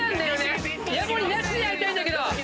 イヤモニなしでやりたいんだけど。